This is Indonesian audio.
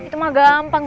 itu mah gampang